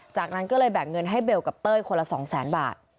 จากนั้นก็เลยแบ่งเงินให้เบลกับเต้ยคนละสองแสนบาท